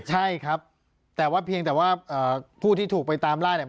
ใช่ครับแต่ว่าเพียงแต่ว่าผู้ที่ถูกไปตามล่าเนี่ย